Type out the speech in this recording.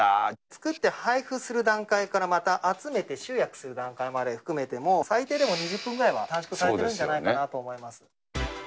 作って配付する段階からまた集めて集約する段階まで含めても、最低でも２０分ぐらいは短縮されてるんじゃないかなと思います。